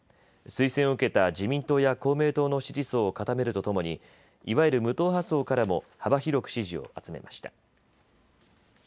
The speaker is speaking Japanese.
推薦を受けた自民党や公明党の支持層を固めるとともにいわゆる無党派層からも幅広く支持を集めました。